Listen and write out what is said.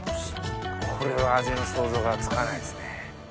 これは味の想像がつかないですね。